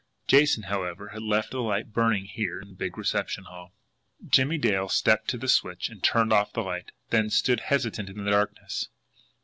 Jason, however, had left the light burning here in the big reception hall. Jimmie Dale stepped to the switch and turned off the light; then stood hesitant in the darkness.